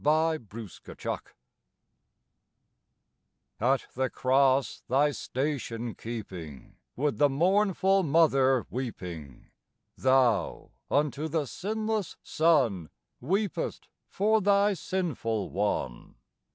ST MONICA At the Cross thy station keeping With the mournful mother weeping, Thou, unto the sinless Son, Weepest for thy sinful one.